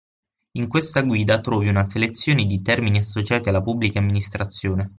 In questa guida trovi una selezione di termini associati alla Pubblica Amministrazione